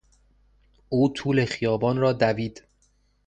او طول خیابان را دوید.